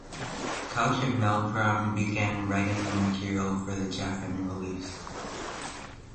Couch and Meldrum began writing the material for the Gefffen release.